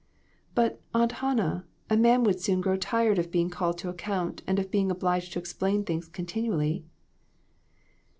"But, Aunt Hannah, a man would soon grow tired of being called to account and of being obliged to explain things continually."